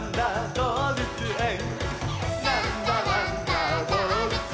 どうぶつえん」